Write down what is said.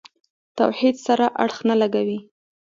توحید سره اړخ نه لګوي.